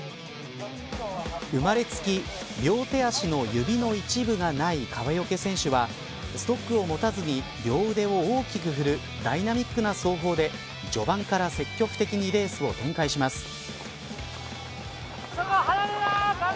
生まれつき、両手足の指の一部がない川除選手はストックを持たずに両腕を大きく振るダイナミックな走法で序盤から積極的にレースを展開します。